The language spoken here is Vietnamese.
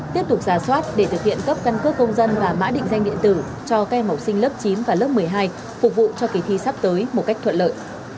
tiếp tục giả soát để thực hiện cấp căn cước công dân và mã định danh điện tử cho các em học sinh lớp chín và lớp một mươi hai phục vụ cho kỳ thi sắp tới một cách thuận lợi